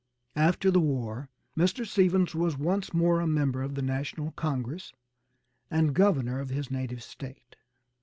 After the war Mr. Stephens was once more a member of the National Congress and Governor of his native State.